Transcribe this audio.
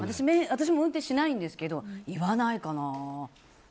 私も運転しないんですけど言わないかな。